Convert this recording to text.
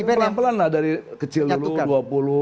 tapi pelan pelan lah dari kecil dulu